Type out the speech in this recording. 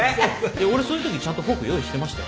俺そういうときちゃんとフォーク用意してましたよ。